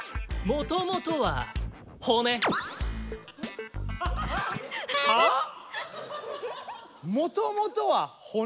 もともとは骨？！